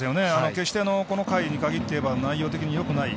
決して、この回に限っていえば内容的によくない。